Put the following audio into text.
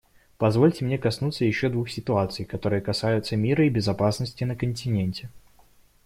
Позвольте мне коснуться еще двух ситуаций, которые касаются мира и безопасности на континенте.